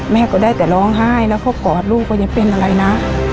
แม่ก็ได้แต่ร้องไห้แล้วพ่อกอดลูกเรื่องมีอะไรนะ